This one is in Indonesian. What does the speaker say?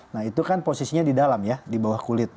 nah itu kan posisinya di dalam ya di bawah kulit